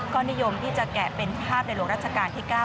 ก็นิยมที่จะแกะเป็นภาพในหลวงรัชกาลที่๙